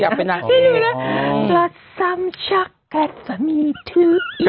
ซึ่งดูแล้วละสำชักแก่สมีที่อีก